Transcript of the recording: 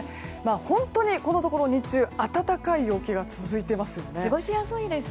本当に、このところ日中暖かい陽気が過ごしやすいですよね。